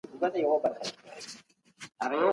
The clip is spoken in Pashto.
نوی نسل به نوې نړۍ جوړه کړي.